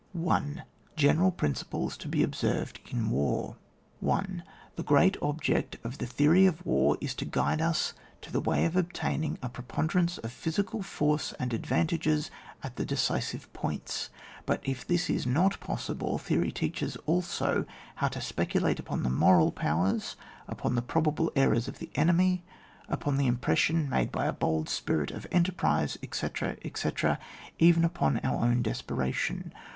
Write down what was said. I.— GENERAL PRINCIPLES TO BE OBSERVED IN WAR. 1. The great object of the theory of war is to guide us to the way of obtain ing a preponderance of physical force and advantages at the decisive points; but if this is not possible, theory teaches also how to speculate upon the moral powers ; upon the probable errors of the enemy, upon the impression made by a bold spirit of enterprise, etc., etc. ^ even upon our own desperation.